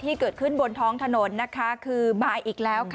ที่เกิดขึ้นบนท้องถนนคือมายอีกแล้ว